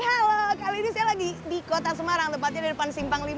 halo kali ini saya lagi di kota semarang tepatnya di depan simpang lima